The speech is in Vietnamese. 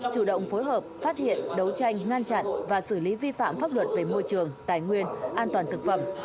chủ động phối hợp phát hiện đấu tranh ngăn chặn và xử lý vi phạm pháp luật về môi trường tài nguyên an toàn thực phẩm